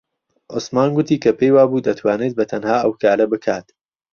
عوسمان گوتی کە پێی وابوو دەتوانێت بەتەنها ئەو کارە بکات.